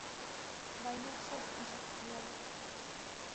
Война всё спишет, сволочь!